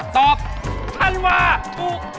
ตอบทันวาถูก